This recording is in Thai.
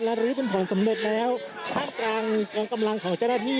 และรีบรุงผลสำเร็จแล้วข้างกลางกลางกำลังของเจ้าหน้าที่